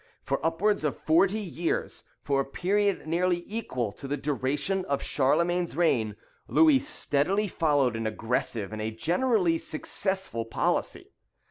For upwards of forty years, for a period nearly equal to the duration of Charlemagne's reign, Louis steadily followed an aggressive and a generally successful policy.